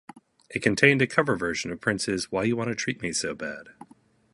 It contained a cover version of Prince's Why You Wanna Treat Me So Bad?